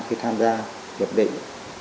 khi tham gia hiệp định